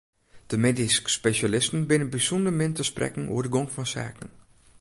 De medysk spesjalisten binne bysûnder min te sprekken oer de gong fan saken.